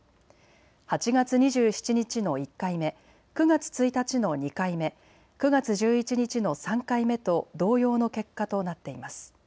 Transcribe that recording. ８月２７日の１回目、９月１日の２回目、９月１１日の３回目と同様の結果となっています。